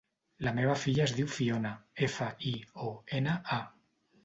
La meva filla es diu Fiona: efa, i, o, ena, a.